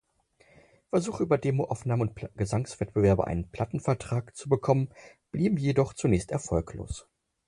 Versuche, über Demoaufnahmen und Gesangswettbewerbe einen Plattenvertrag zu bekommen, blieben jedoch zunächst erfolglos.